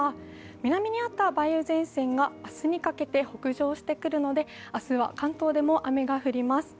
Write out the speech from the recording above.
南にあった梅雨前線が明日にかけて北上してくるので明日は関東でも雨が降ります。